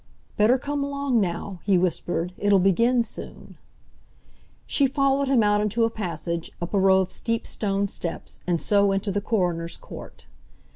"Better come along now," he whispered; "it'll begin soon." She followed him out into a passage, up a row of steep stone steps, and so into the Coroner's Court.